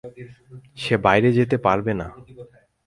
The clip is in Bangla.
সে বাইরে যেতে পারবে না।